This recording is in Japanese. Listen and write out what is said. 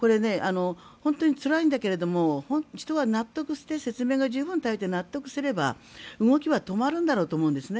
本当につらいんだけれども人は納得して説明が十分足りて納得すれば動きは止まるんだろうと思うんですね。